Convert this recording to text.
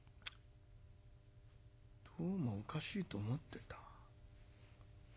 どうもおかしいと思ってた」。